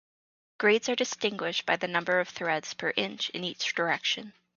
Grades are distinguished by the number of threads per inch in each direction.